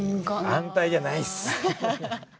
安泰じゃないッス。